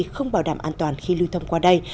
không bảo đảm an toàn khi lưu thông qua đây